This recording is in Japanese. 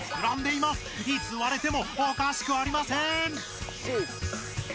いつ割れてもおかしくありません！